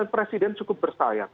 presiden cukup bersayap